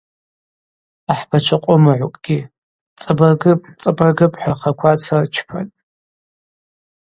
Ахӏбачва къомыгӏвкӏгьи: – Цӏабыргыпӏ, цӏабыргыпӏ, – хӏва рхъаква ацырчпатӏ.